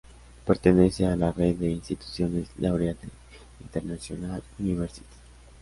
Pertenece a la red de instituciones Laureate International Universities.